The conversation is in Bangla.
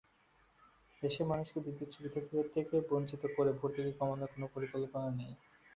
দেশের মানুষকে বিদ্যুৎ সুবিধা থেকে বঞ্চিত করে ভর্তুকি কমানোর কোনো পরিকল্পনা নেই।